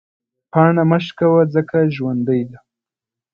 پاڼه مه شکوه ځکه ژوندۍ ده.